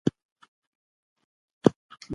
خپل رول په سمه توګه ادا کړئ.